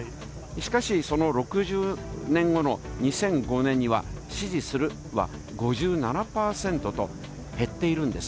しかしその６０年後の２００５年には、支持するは５７％と、減っているんです。